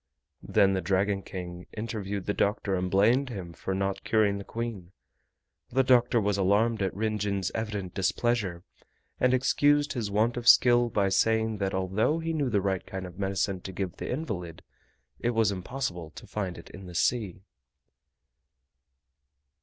Then the Dragon King interviewed the doctor and blamed him for not curing the Queen. The doctor was alarmed at Rin Jin's evident displeasure, and excused his want of skill by saying that although he knew the right kind of medicine to give the invalid, it was impossible to find it in the sea.